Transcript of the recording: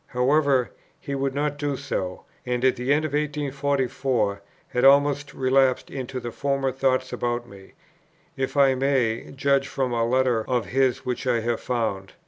However, he would not do so; and at the end of 1844 had almost relapsed into his former thoughts about me, if I may judge from a letter of his which I have found.